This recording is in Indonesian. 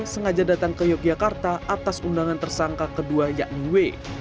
sengaja datang ke yogyakarta atas undangan tersangka kedua yakni w